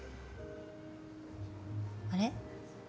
あれ？